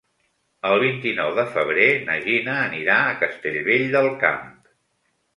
El vint-i-nou de febrer na Gina anirà a Castellvell del Camp.